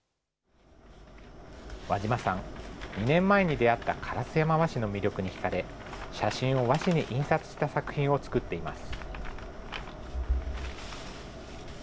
和嶋さん、２年前に出会った烏山和紙の魅力にひかれ、写真を和紙に印刷した作品を作っています。